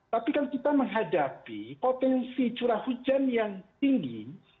tapi kan kita menghadapi potensi curah hujan yang tinggi